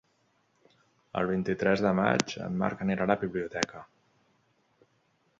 El vint-i-tres de maig en Marc anirà a la biblioteca.